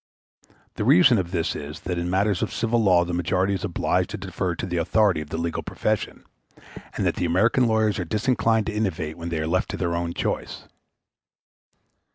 The reason of this is, that in matters of civil law the majority is obliged to defer to the authority of the legal profession, and that the American lawyers are disinclined to innovate when they are left to their own choice.